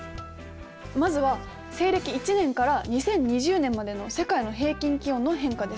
まずは西暦１年から２０２０年までの世界の平均気温の変化です。